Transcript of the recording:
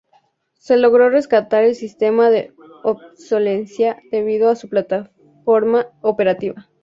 Se logró rescatar el sistema de obsolescencia debido a su plataforma operativa.